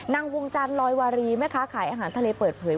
นางวงจันรดีรอยวาเลไหมคะขายอาหารทะเลเปิดเผย